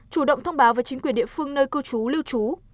chủ động thông báo với chính quyền địa phương nơi cư trú lưu trú